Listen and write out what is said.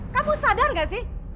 kamu sadar gak sih